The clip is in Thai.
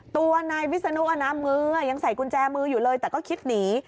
ตัวนายวิศนุมือยังใส่กุญแจมืออยู่เลยแต่ก็คิดหนี